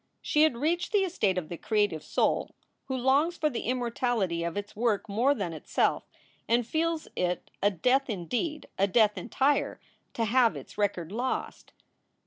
She had reached the estate of the creative soul who longs for the immortality of its work more than itself, and feels it a death indeed, a death entire, to have its record lost.